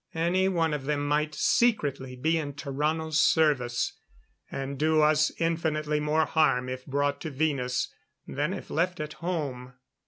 Any one of them might secretly be in Tarrano's service and do us infinitely more harm if brought to Venus, than if left at home.